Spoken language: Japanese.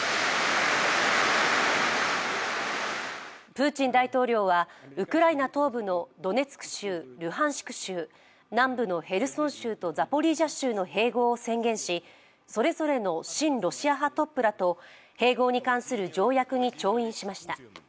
プーチン大統領はウクライナ東部のドネツク州、ルハンシク州、南部のヘルソン州とザポリージャ州の併合を宣言しそれぞれの親ロシア派トップらと併合に関する条約に調印しました。